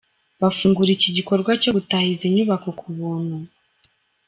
Bafungura iki gikorwa cyo gutaha izi nyubako ku buntu.